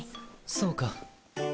そうか。